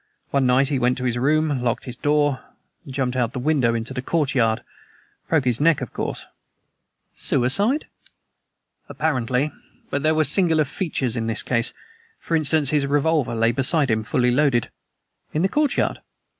One night he went to his room, locked the door, and jumped out of the window into the courtyard. Broke his neck, of course." "Suicide?" "Apparently. But there were singular features in the case. For instance, his revolver lay beside him, fully loaded!" "In the courtyard?"